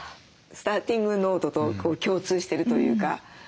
スターティングノートと共通してるというか。